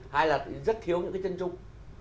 hay là rất thiếu những cái chân trung